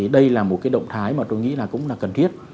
đây là một động thái mà tôi nghĩ là cũng là cần thiết